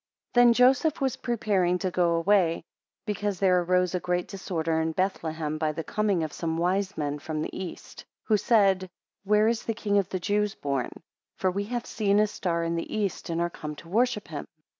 THEN Joseph was preparing to go away, because there arose a great disorder in Bethlehem by the coming of some wise men from the east, 2 Who said, Where is the King of the Jews born? For we have seen his star in the east, and are come to worship him.